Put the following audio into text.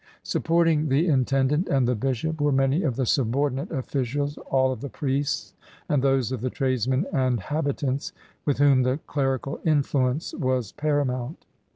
Supporting the intendant and the bishop were many of the subordinate officials, all of the priests, and those of the tradesmen and habitants with whom the clerical influence was paramoimt.